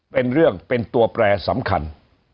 เป็นเรื่องเป็นตัวแปรสำคัญ